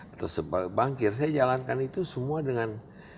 atau seorang bankir saya jalankan itu semua dengan